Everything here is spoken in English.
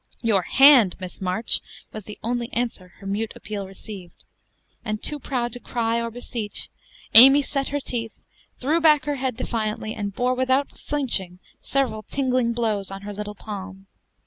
"Your hand, Miss March!" was the only answer her mute appeal received; and, too proud to cry or beseech, Amy set her teeth, threw back her head defiantly, and bore without flinching several tingling blows on her little palm.